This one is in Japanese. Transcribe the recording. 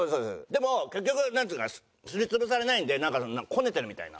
でも結局なんていうかすり潰されないんでなんかこねてるみたいな。